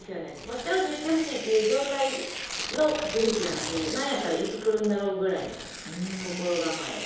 してほしいしてほしいっていう状態の駆け引きなんでなんやったらいつくるんだろうぐらいの心構え。